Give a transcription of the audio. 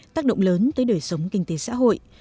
tác động lớn tới đời sống kinh tế xã hội